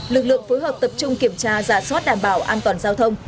lực lượng phối hợp tập trung kiểm tra giả soát đảm bảo an toàn giao thông